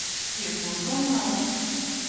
屯門公路